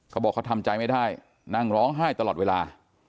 เขาบอกเขาทำใจไม่ได้นั่งร้องไห้ตลอดเวลา